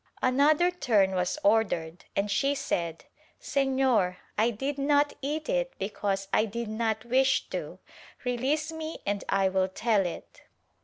Another turn was ordered and she said "Senor I did not eat it because I did not wish to — release me and I will tell it."